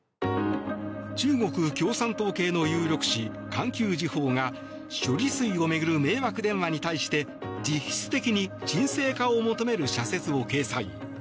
中国共産党系の有力紙環球時報が処理水を巡る迷惑電話に対して実質的に鎮静化を求める社説を掲載。